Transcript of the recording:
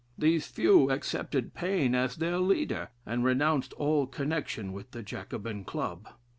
These few accepted Paine as their leader, and renounced all connection with the Jacobin Club.